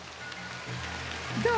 どう？